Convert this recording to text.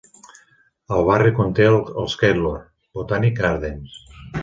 El barri conté els Keilor Botanic Gardens.